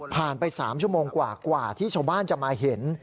ไป๓ชั่วโมงกว่าที่ชาวบ้านจะมาเห็น